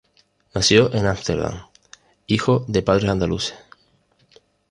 Nació en Ámsterdam, hijo de padres andaluces.